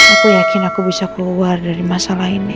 aku yakin aku bisa keluar dari masalah ini